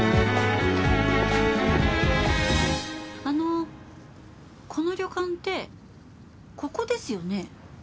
あのこの旅館ってここですよね？